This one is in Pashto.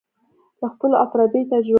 له خپلو او پردیو تجربو